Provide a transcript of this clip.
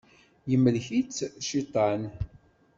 Yemlek-itt cciṭan.